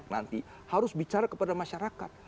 nanti harus bicara kepada masyarakat